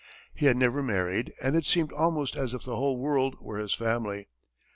He had never married, and it seemed almost as if the whole world were his family.